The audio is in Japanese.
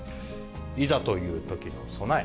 いざというときの備え。